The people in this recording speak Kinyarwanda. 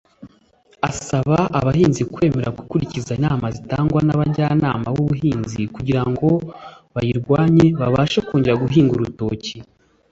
Asaba abahinzi kwemera gukurikiza inama zitangwa n’abajyanama b’ubuhinzi kugira ngo bayirwanye babashe kongera guhinga urutoki